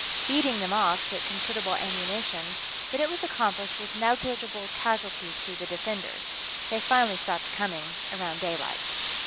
Beating them off took considerable ammunition, but it was accomplished with negligible casualties to the defenders. They finally stopped coming around daylight.